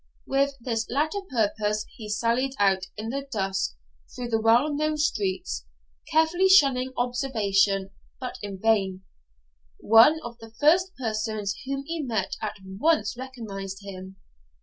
With this latter purpose he sallied out in the dusk through the well known streets, carefully shunning observation, but in vain: one of the first persons whom he met at once recognised him.